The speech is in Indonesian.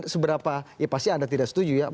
seberapa ya pasti anda tidak setuju ya